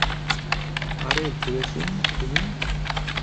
আরে ভুরে সিং, তুমি?